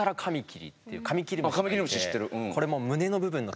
あっカミキリムシ知ってる。